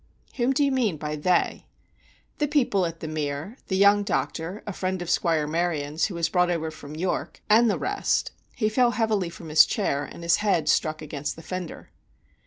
"Whom do you mean by they?" "The people at The Mere—the young doctor, a friend of Squire Maryon's, who was brought over from York, and the rest; he fell heavily from his chair, and his head struck against the fender."